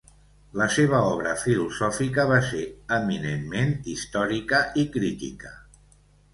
La seva obra filosòfica va ser eminentment històrica i crítica.